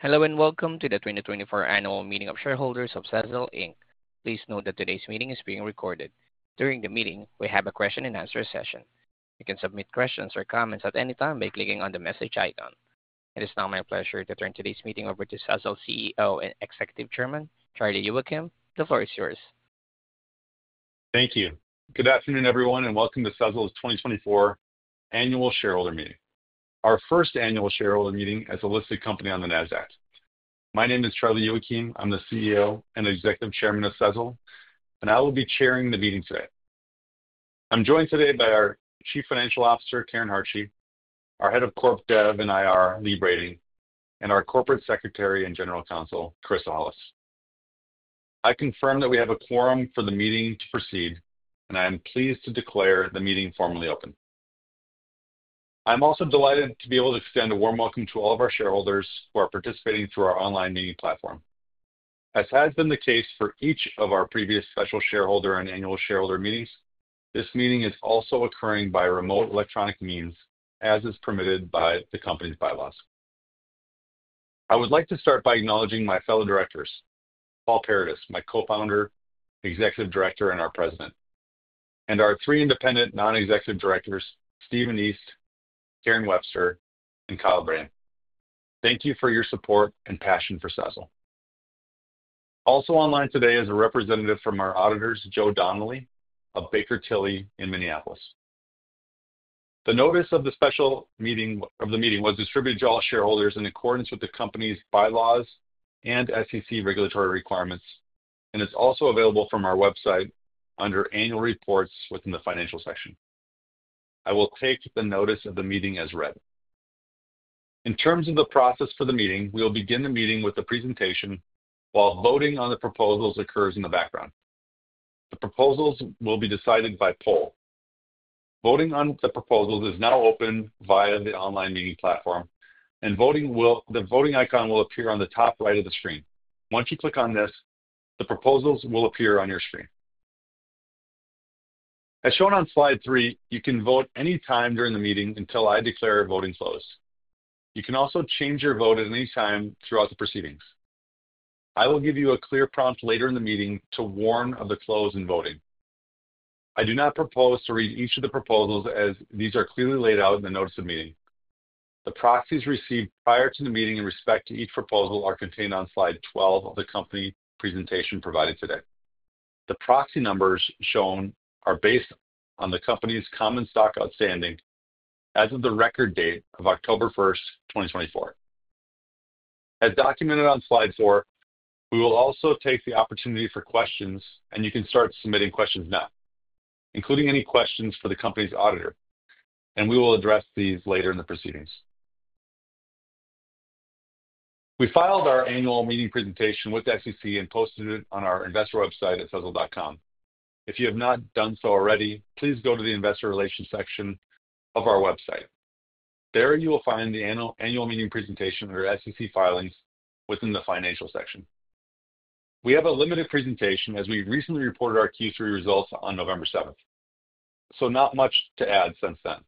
Hello and welcome to the 2024 Annual Meeting of Shareholders of Sezzle Inc. Please note that today's meeting is being recorded. During the meeting, we have a question-and-answer session. You can submit questions or comments at any time by clicking on the message icon. It is now my pleasure to turn today's meeting over to Sezzle's CEO and Executive Chairman, Charlie Youakim. The floor is yours. Thank you. Good afternoon, everyone, and welcome to Sezzle's 2024 Annual Shareholder Meeting, our first Annual Shareholder Meeting as a listed company on the NASDAQ. My name is Charlie Youakim. I'm the CEO and Executive Chairman of Sezzle, and I will be chairing the meeting today. I'm joined today by our Chief Financial Officer, Karen Hartje, our Head of Corp Dev and IR, Lee Brading, and our Corporate Secretary and General Counsel, Chris Ellis. I confirm that we have a quorum for the meeting to proceed, and I am pleased to declare the meeting formally open. I'm also delighted to be able to extend a warm welcome to all of our shareholders who are participating through our online meeting platform. As has been the case for each of our previous special shareholder and annual shareholder meetings, this meeting is also occurring by remote electronic means, as is permitted by the company's bylaws. I would like to start by acknowledging my fellow directors: Paul Paradis, my co-founder, executive director, and our president, and our three independent non-executive directors: Stephen East, Karen Webster, and Kyle Brehm. Thank you for your support and passion for Sezzle. Also online today is a representative from our auditors, Joe Donnelly of Baker Tilly in Minneapolis. The notice of the special meeting was distributed to all shareholders in accordance with the company's bylaws and SEC regulatory requirements, and it's also available from our website under Annual Reports within the Financial section. I will take the notice of the meeting as read. In terms of the process for the meeting, we will begin the meeting with a presentation while voting on the proposals occurs in the background. The proposals will be decided by poll. Voting on the proposals is now open via the online meeting platform, and the voting icon will appear on the top right of the screen. Once you click on this, the proposals will appear on your screen. As shown on slide three, you can vote any time during the meeting until I declare voting close. You can also change your vote at any time throughout the proceedings. I will give you a clear prompt later in the meeting to warn of the close and voting. I do not propose to read each of the proposals as these are clearly laid out in the notice of meeting. The proxies received prior to the meeting in respect to each proposal are contained on slide 12 of the company presentation provided today. The proxy numbers shown are based on the company's common stock outstanding as of the record date of October 1st, 2024. As documented on slide four, we will also take the opportunity for questions, and you can start submitting questions now, including any questions for the company's auditor, and we will address these later in the proceedings. We filed our annual meeting presentation with SEC and posted it on our investor website at sezzle.com. If you have not done so already, please go to the investor relations section of our website. There you will find the annual meeting presentation under SEC filings within the financial section. We have a limited presentation as we recently reported our Q3 results on November 7th, so not much to add since then.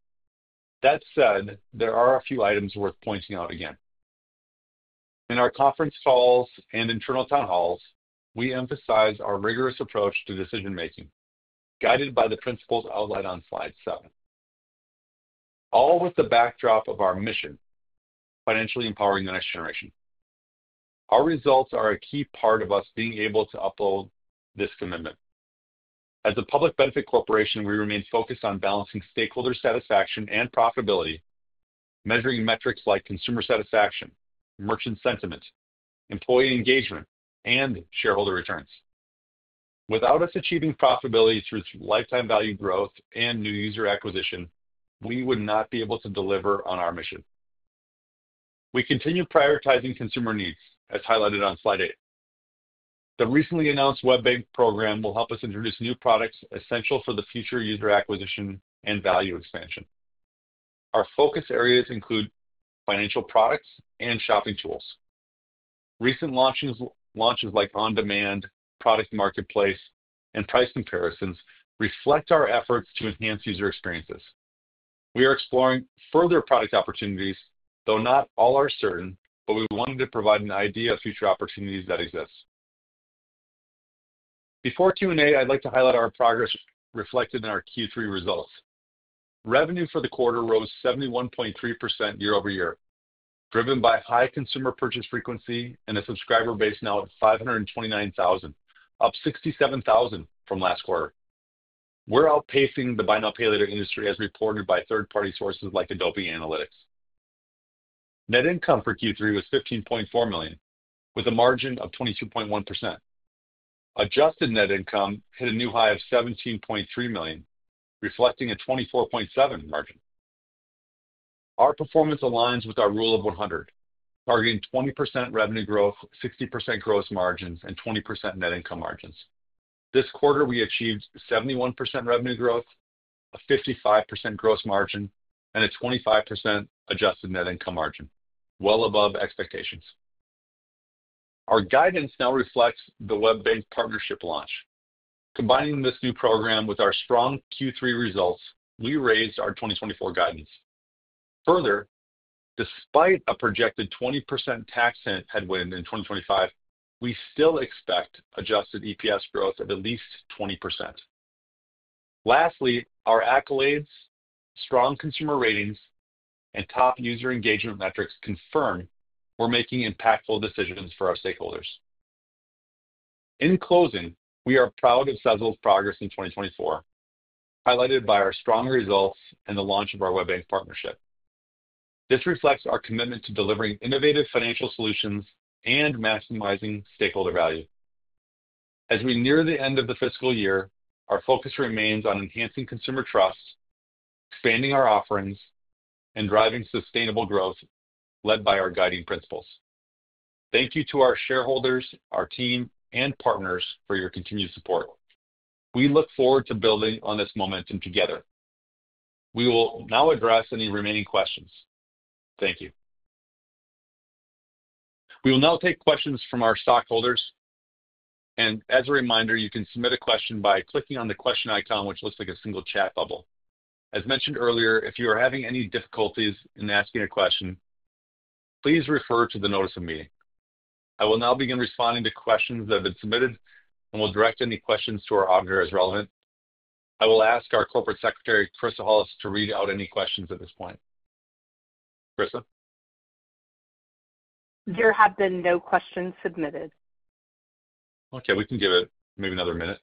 That said, there are a few items worth pointing out again. In our conference calls and internal town halls, we emphasize our rigorous approach to decision-making guided by the principles outlined on slide seven, all with the backdrop of our mission: financially empowering the next generation. Our results are a key part of us being able to uphold this commitment. As a public benefit corporation, we remain focused on balancing stakeholder satisfaction and profitability, measuring metrics like consumer satisfaction, merchant sentiment, employee engagement, and shareholder returns. Without us achieving profitability through lifetime value growth and new user acquisition, we would not be able to deliver on our mission. We continue prioritizing consumer needs, as highlighted on slide eight. The recently announced WebBank program will help us introduce new products essential for the future user acquisition and value expansion. Our focus areas include financial products and shopping tools. Recent launches like On-Demand, Product Marketplace, and Price Comparisons reflect our efforts to enhance user experiences. We are exploring further product opportunities, though not all are certain, but we wanted to provide an idea of future opportunities that exist. Before Q&A, I'd like to highlight our progress reflected in our Q3 results. Revenue for the quarter rose 71.3% year-over-year, driven by high consumer purchase frequency and a subscriber base now at 529,000, up 67,000 from last quarter. We're outpacing the buy now, pay later industry, as reported by third-party sources like Adobe Analytics. Net income for Q3 was $15.4 million, with a margin of 22.1%. Adjusted net income hit a new high of $17.3 million, reflecting a 24.7% margin. Our performance aligns with our Rule of 100, targeting 20% revenue growth, 60% gross margins, and 20% net income margins. This quarter, we achieved 71% revenue growth, a 55% gross margin, and a 25% adjusted net income margin, well above expectations. Our guidance now reflects the WebBank partnership launch. Combining this new program with our strong Q3 results, we raised our 2024 guidance. Further, despite a projected 20% tax headwind in 2025, we still expect adjusted EPS growth of at least 20%. Lastly, our accolades, strong consumer ratings, and top user engagement metrics confirm we're making impactful decisions for our stakeholders. In closing, we are proud of Sezzle's progress in 2024, highlighted by our strong results and the launch of our WebBank partnership. This reflects our commitment to delivering innovative financial solutions and maximizing stakeholder value. As we near the end of the fiscal year, our focus remains on enhancing consumer trust, expanding our offerings, and driving sustainable growth led by our guiding principles. Thank you to our shareholders, our team, and partners for your continued support. We look forward to building on this momentum together. We will now address any remaining questions. Thank you. We will now take questions from our stockholders. And as a reminder, you can submit a question by clicking on the question icon, which looks like a single chat bubble. As mentioned earlier, if you are having any difficulties in asking a question, please refer to the notice of meeting. I will now begin responding to questions that have been submitted and will direct any questions to our auditor as relevant. I will ask our Corporate Secretary, Chris Ellis, to read out any questions at this point. Chris? There have been no questions submitted. Okay. We can give it maybe another minute.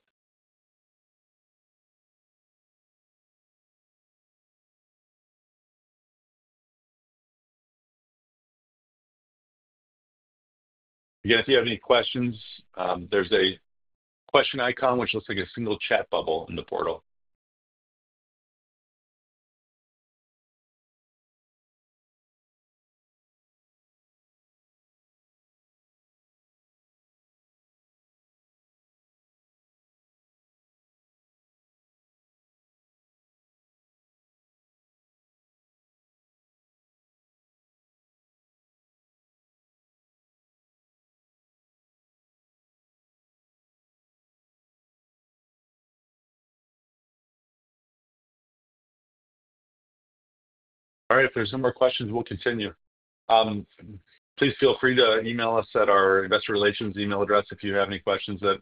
Again, if you have any questions, there's a question icon, which looks like a single chat bubble in the portal. All right. If there's no more questions, we'll continue. Please feel free to email us at our investor relations email address if you have any questions that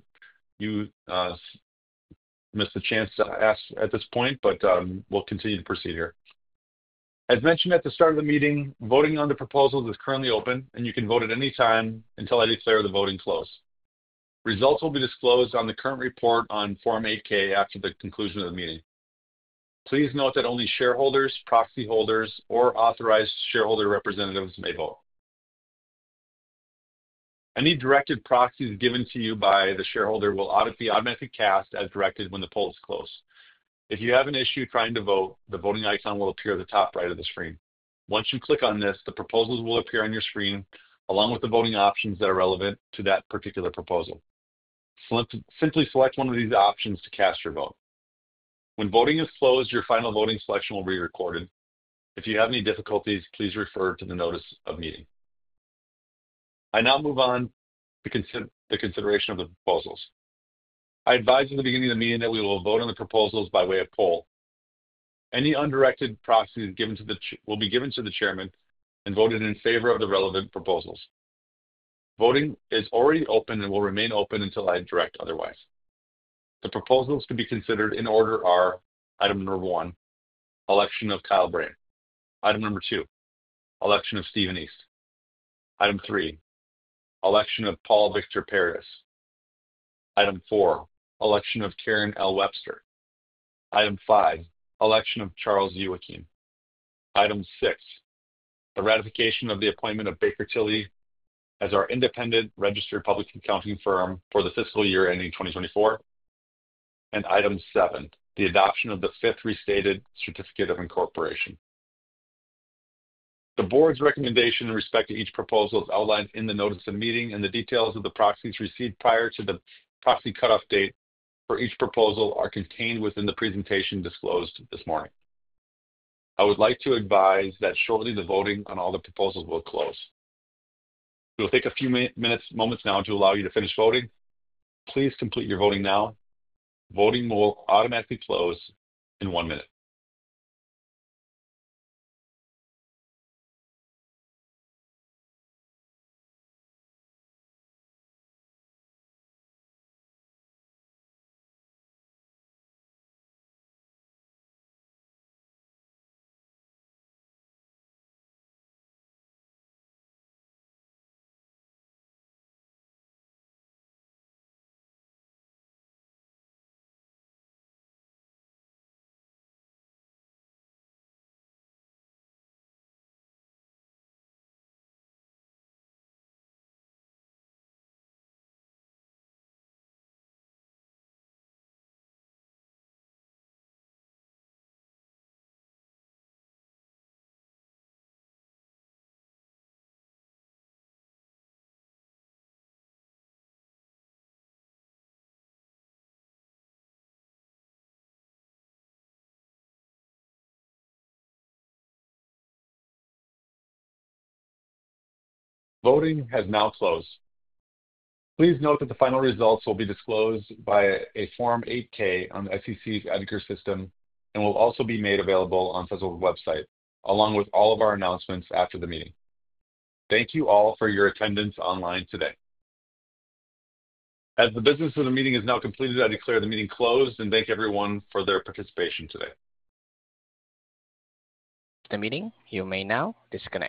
you missed the chance to ask at this point, but we'll continue to proceed here. As mentioned at the start of the meeting, voting on the proposals is currently open, and you can vote at any time until I declare the voting close. Results will be disclosed on the current report on Form 8-K after the conclusion of the meeting. Please note that only shareholders, proxy holders, or authorized shareholder representatives may vote. Any directed proxies given to you by the shareholder will be automatically cast as directed when the poll is closed. If you have an issue trying to vote, the voting icon will appear at the top right of the screen. Once you click on this, the proposals will appear on your screen along with the voting options that are relevant to that particular proposal. Simply select one of these options to cast your vote. When voting is closed, your final voting selection will be recorded. If you have any difficulties, please refer to the notice of meeting. I now move on to the consideration of the proposals. I advised in the beginning of the meeting that we will vote on the proposals by way of poll. Any undirected proxies will be given to the chairman and voted in favor of the relevant proposals. Voting is already open and will remain open until I direct otherwise. The proposals to be considered in order are: Item number one, election of Kyle Brehm. Item number two, election of Stephen East. Item three, election of Paul Victor Paradis. Item four, election of Karen L. Webster. Item five, election of Charles Youakim. Item six, the ratification of the appointment of Baker Tilly as our independent registered public accounting firm for the fiscal year ending 2024. And item seven, the adoption of the Fifth Restated Certificate of Incorporation. The board's recommendation in respect to each proposal is outlined in the notice of meeting, and the details of the proxies received prior to the proxy cutoff date for each proposal are contained within the presentation disclosed this morning. I would like to advise that shortly the voting on all the proposals will close. We'll take a few minutes' moments now to allow you to finish voting, so please complete your voting now. Voting will automatically close in one minute. Voting has now closed. Please note that the final results will be disclosed by a Form 8-K on the SEC's EDGAR system and will also be made available on Sezzle's website along with all of our announcements after the meeting. Thank you all for your attendance online today. As the business of the meeting is now completed, I declare the meeting closed and thank everyone for their participation today. The meeting you may now is close.